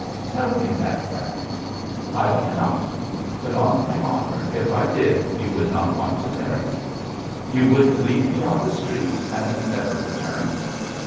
"Tell me that fact." "I cannot. But, on my honor, if I did you would not want to marry me. You w^uld leave me on the street and never return."